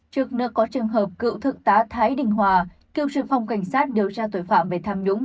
trước nước có trường hợp cựu thực tá thái đình hòa cựu trường phòng cảnh sát điều tra tội phạm về tham nhũng